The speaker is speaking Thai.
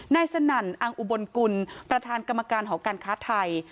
สนั่นอังอุบลกุลประธานกรรมการหอการค้าไทย